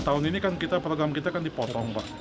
tahun ini kan program kita dipotong pak